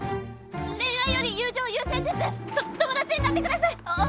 恋愛より友情優先ですと友達になってください！